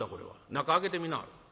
「中開けてみなはれ」。